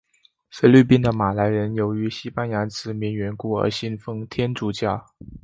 菲律宾的马来人由于西班牙殖民缘故而信奉天主教。